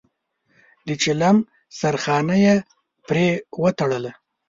د چيلم سرخانه يې پرې وتړله.